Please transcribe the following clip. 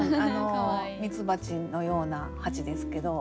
ミツバチのような蜂ですけど。